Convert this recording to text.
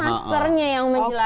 harus masternya yang menjelaskan